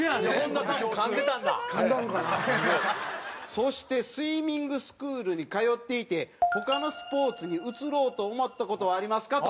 そして「スイミングスクールに通っていて他のスポーツに移ろうと思った事はありますか？」と。